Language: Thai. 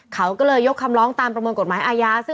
เขาก็เลยยกคำร้องตามประมวลกฎหมายอาญา